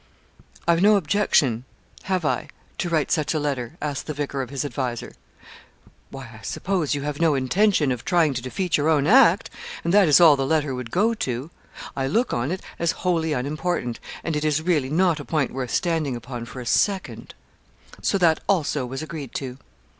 'I've no objection have I? to write such a letter,' asked the vicar of his adviser. 'Why, I suppose you have no intention of trying to defeat your own act, and that is all the letter would go to. I look on it as wholly unimportant, and it is really not a point worth standing upon for a second.' So that also was agreed to.